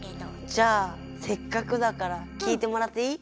じゃあせっかくだから聞いてもらっていい？